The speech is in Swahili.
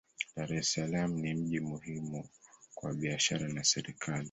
Dar es Salaam ni mji muhimu kwa biashara na serikali.